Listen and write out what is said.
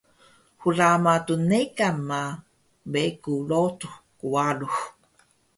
hlama tnekan ma begu ludux qwarux